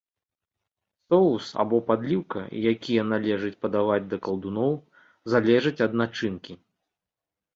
Соус або падліўка, якія належыць падаваць да калдуноў, залежаць ад начынкі.